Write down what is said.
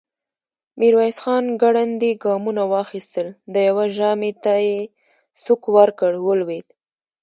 ميرويس خان ګړندي ګامونه واخيستل، د يوه ژامې ته يې سوک ورکړ، ولوېد.